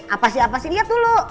apa sih apa sih lihat dulu